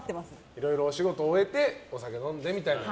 いろいろお仕事終えてお酒飲んでみたいなこと。